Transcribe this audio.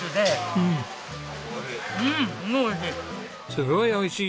「すごい美味しい！」